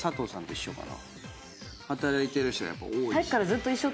働いてる人やっぱ多いし。